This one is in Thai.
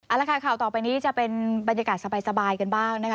เอาละค่ะข่าวต่อไปนี้จะเป็นบรรยากาศสบายกันบ้างนะคะ